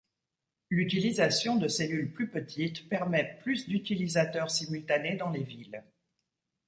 L'utilisation de cellules plus petites permet plus d'utilisateurs simultanés dans les villes.